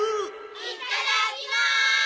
いただきまーす！